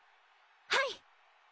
はい！